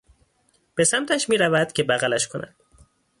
به سمتش میرود که بغلش کند